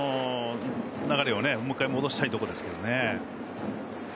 流れをもう１回戻したいところですね。